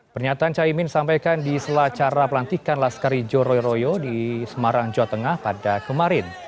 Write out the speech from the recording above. pernyataan caimin sampaikan di selacara pelantikan laskari joroy royo di semarang jawa tengah pada kemarin